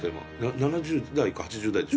７０代か８０代でしょ？